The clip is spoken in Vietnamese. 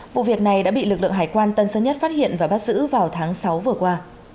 vụ việc này đã bị lực lượng hải quan tân sơn nhất phát hiện và bắt giữ vào tháng sáu vừa qua